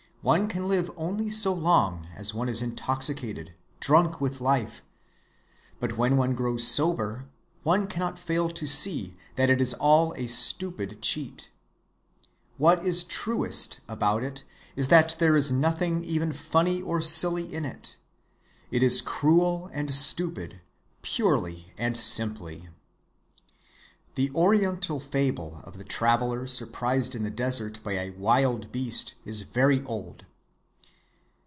One can live only so long as one is intoxicated, drunk with life; but when one grows sober one cannot fail to see that it is all a stupid cheat. What is truest about it is that there is nothing even funny or silly in it; it is cruel and stupid, purely and simply. "The oriental fable of the traveler surprised in the desert by a wild beast is very old.